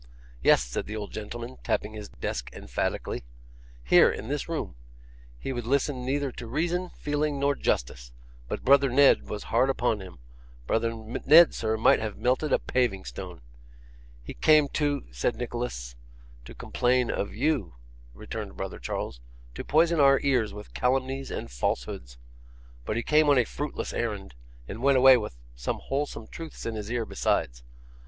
'Yes,' said the old gentleman, tapping his desk emphatically, 'here, in this room. He would listen neither to reason, feeling, nor justice. But brother Ned was hard upon him; brother Ned, sir, might have melted a paving stone.' 'He came to ' said Nicholas. 'To complain of you,' returned brother Charles, 'to poison our ears with calumnies and falsehoods; but he came on a fruitless errand, and went away with some wholesome truths in his ear besides.